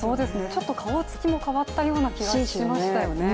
ちょっと顔つきも変わったような気がしましたよね。